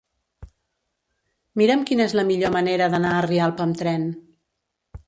Mira'm quina és la millor manera d'anar a Rialp amb tren.